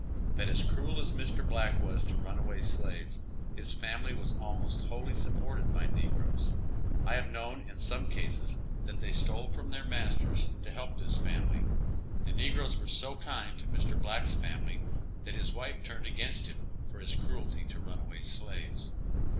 But as cruel as Mr. Black was to runaway slaves, his family was almost wholly supported by negroes; I have known in some cases that they stole from their masters to help this family. The negroes were so kind to Mr. Black's family that his wife turned against him for his cruelty to runaway slaves.